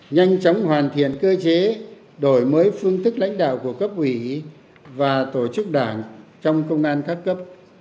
nhanh chóng hoàn thiện cơ chế đổi mới phương thức lãnh đạo của cấp ủy và tổ chức đảng trong công an các cấp